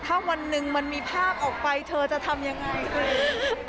ถ้าวันหนึ่งมันมีภาพออกไปเธอจะทำยังไงคือ